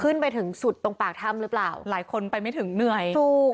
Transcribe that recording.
ไปถึงสุดตรงปากถ้ำหรือเปล่าหลายคนไปไม่ถึงเหนื่อยถูก